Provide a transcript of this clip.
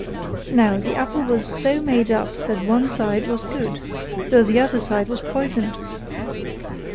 Now the apple was so made up that one side was good, though the other side was poisoned.